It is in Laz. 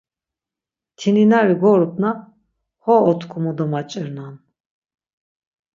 Mtininari gorupna, xo otkumu domaç̌irnan.